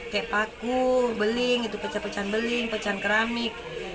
kayak paku beling pecah pecah beling pecah keramik